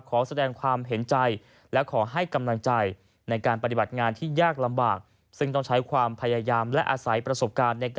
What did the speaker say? ขอแสดงความเห็นใจและขอให้กำลังใจ